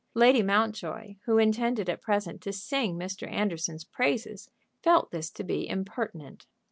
Lady Mountjoy, who intended at present to sing Mr. Anderson's praises, felt this to be impertinent.